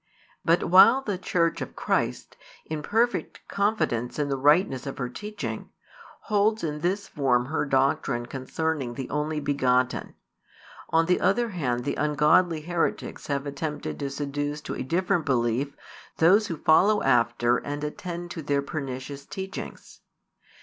But while the Church of Christ, in perfect confidence in the rightness of her teaching, holds in this form her doctrine concerning the Only begotten, on the other hand the ungodly heretics have attempted to seduce to a different belief those who follow after and attend to their pernicious teachings.